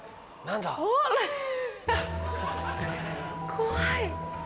怖い！